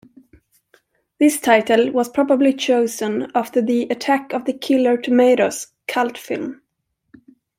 This title was probably chosen after the "Attack of the Killer Tomatoes" cult film.